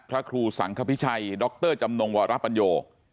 พระครูสังคพิชัยดรจำนงวรปัญโย